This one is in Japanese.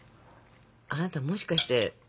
あなたもしかして？